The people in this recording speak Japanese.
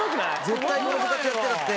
絶対この部活やってたって。